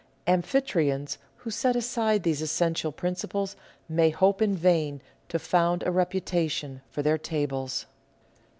Amphitryons who set aside these essential prin ciples may hope in vain to found a reputation for their tables.